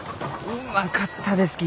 うまかったですき。